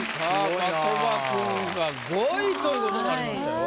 的場君が５位ということになりましたよ。